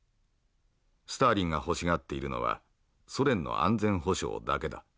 スターリンが欲しがっているのはソ連の安全保障だけだ。